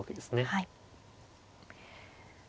はい。